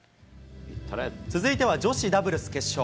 続いては、女子ダブルス決勝。